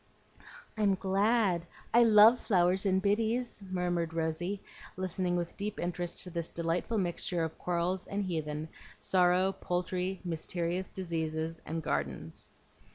"I'm glad! I love flowers and biddies," murmured Rosy, listening with deep interest to this delightful mixture of quarrels and heathen, sorrow, poultry, mysterious diseases, and gardens.